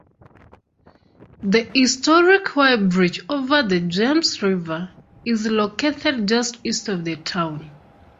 The historic Y-Bridge over the James River is located just east of the town.